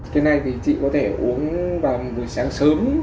thế này thì chị có thể uống vào buổi sáng sớm